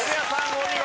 お見事。